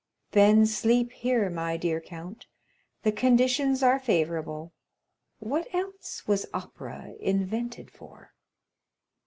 "Then sleep here, my dear count. The conditions are favorable; what else was opera invented for?"